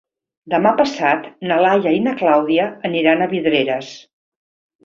Demà passat na Laia i na Clàudia aniran a Vidreres.